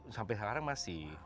sampai sekarang masih